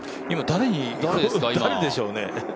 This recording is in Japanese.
今、誰でしょうね？